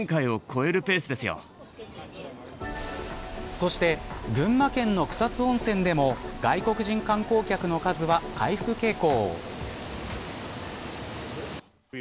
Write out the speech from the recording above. そして群馬県の草津温泉でも外国人観光客の数は回復傾向。